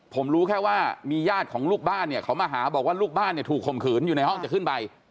หัวหน้าถูกคมขืนอยู่ในห้องจะขึ้นไป